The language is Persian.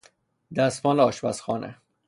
دستمال آشپزخانه